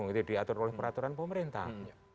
itu diatur oleh peraturan pemerintah